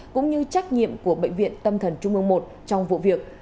cũng như trách nhiệm của bệnh viện tâm thần trung mương i trong vụ việc